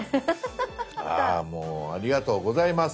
あもうありがとうございます。